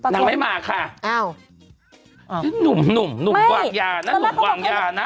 นางไม่มาค่ะอ้าวนี่หนุ่มหนุ่มวางยานะหนุ่มวางยานะ